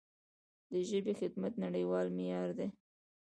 د ژبې خدمت نړیوال معیار دی.